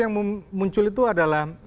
yang muncul itu adalah